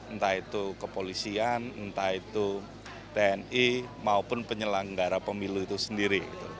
entah itu kepolisian entah itu tni maupun penyelenggara pemilu itu sendiri